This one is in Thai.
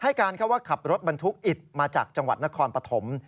การเข้าว่าขับรถบรรทุกอิดมาจากจังหวัดนครปฐม